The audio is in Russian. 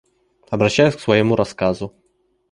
Обращаюсь к своему рассказу.